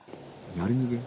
やり逃げ？